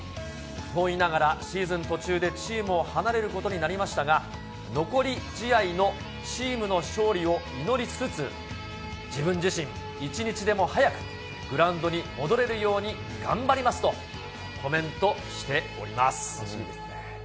不本意ながらシーズン途中でチームを離れることになりましたが、残り試合のチームの勝利を祈りつつ、自分自身一日でも早くグラウンドに戻れるように頑張りますとコメントしております。